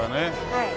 はい。